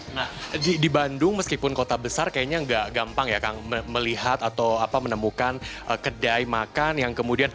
nah di bandung meskipun kota besar kayaknya nggak gampang ya kang melihat atau menemukan kedai makan yang kemudian